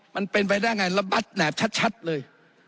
มันเป็นไปได้ไงระบัดแบบชัดเลย